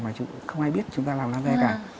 mà không ai biết chúng ta làm laser cả